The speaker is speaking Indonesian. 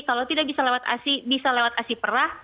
kalau tidak bisa lewat asi bisa lewat asi perah